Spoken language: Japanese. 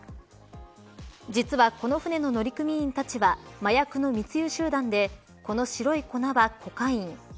実は、この船の乗組員たちは麻薬の密輸集団でこの白い粉はコカイン。